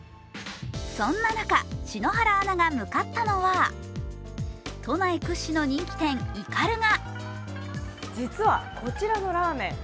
そんな中、篠原アナが向かったのは都内屈指の人気店、斑鳩。